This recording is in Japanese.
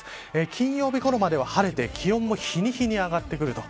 金曜日ごろまでは晴れて気温も日に日に上がってくると。